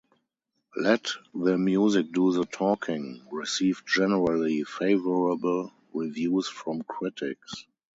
"Let the Music Do the Talking" received generally favourable reviews from critics.